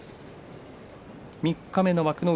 三日目の幕内